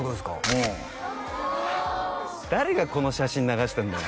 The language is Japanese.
うん誰がこの写真流したんだよ